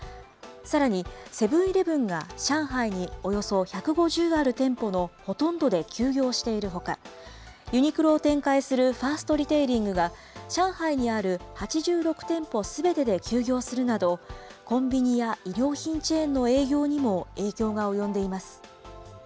さらに、セブンーイレブンが上海におよそ１５０ある店舗のほとんどで休業しているほか、ユニクロを展開するファーストリテイリングは、上海にある８６店舗すべてで休業するなど、コンビニや衣料品チェーンの営業にも影響が及んでいます。